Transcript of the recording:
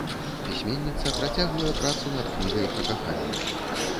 Пісьменніца працягвае працу над кнігай пра каханне.